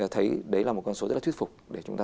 thấy đấy là một con số rất là thuyết phục để chúng ta